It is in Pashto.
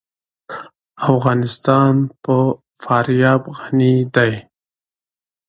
افغانستان په فاریاب غني دی.